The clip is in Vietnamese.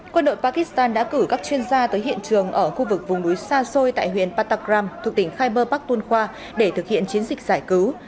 quân đội pakistan đã cử các chuyên gia tới hiện trường ở khu vực vùng núi sa soi tại huyện patakram thuộc tỉnh khai bơ bắc tuân khoa để thực hiện chiến dịch giải cứu